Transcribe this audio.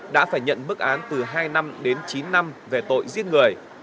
đã phải nhận bức án từ hai năm đến chín năm về tội giết người